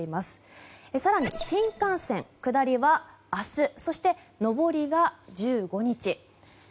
更に、新幹線、下りは明日そして上りが１５日。